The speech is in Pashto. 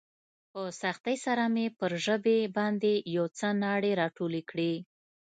په سختۍ سره مې پر ژبې باندې يو څه ناړې راټولې کړې.